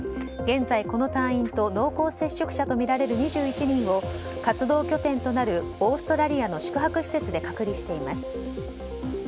現在、この隊員と濃厚接触者とみられる２１人を活動拠点となるオーストラリアの宿泊施設で隔離しています。